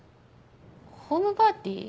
ホームパーティー？